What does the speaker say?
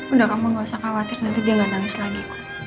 udah kamu gak usah khawatir nanti dia gak nangis lagi